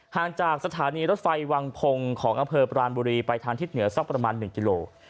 ห่างจากสถานีรถไฟวังพงศ์ของอำเภอปรานบุรีไปทางทิศเหนือสักประมาณ๑กิโล